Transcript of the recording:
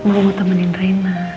mama temenin reina